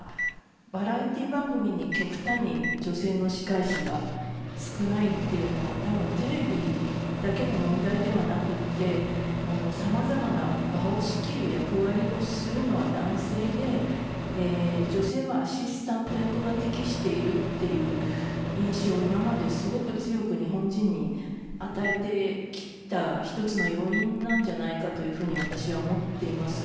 バラエティー番組に極端に女性の司会者が少ないっていうのは多分テレビだけの問題ではなくってさまざまな場を仕切る役割をするのは男性で女性はアシスタント役が適しているっていう印象を今まですごく強く日本人に与えて来た一つの要因なんじゃないかというふうに私は思っています。